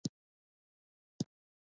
د شولو لو کول اسانه وي.